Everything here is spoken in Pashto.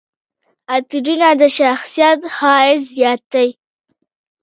عطرونه د شخصیت ښایست زیاتوي.